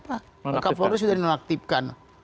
pak kapolri sudah nonaktifkan